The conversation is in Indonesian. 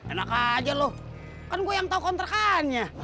enak aja loh kan gue yang tahu kontrakannya